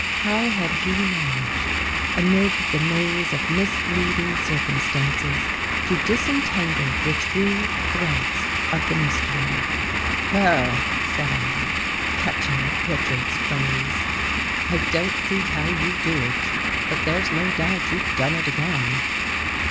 How had he managed, amid the maze of mislead ing circumstances, to disentangle the true threads of the mystery? " Well," said I, catching at Richard's phrase, " I don't see how you do it, but there's no doubt you've done it again."